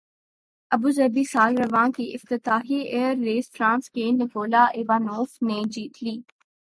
Abu Dhabi سال رواں کی افتتاحی ایئر ریس فرانس کے نکولا ایوانوف نے جیت لی